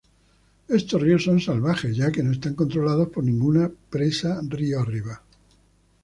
Estos ríos son 'salvajes', ya que no están controlados por ninguna presa río arriba.